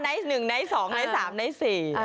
ไนท์๑ไนท์๒ไนท์๓ไนท์๔